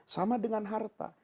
sama dengan harta